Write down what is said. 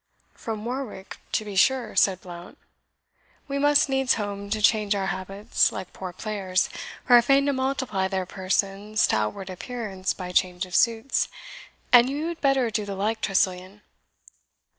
"From Warwick, to be sure," said Blount; "we must needs home to change our habits, like poor players, who are fain to multiply their persons to outward appearance by change of suits; and you had better do the like, Tressilian."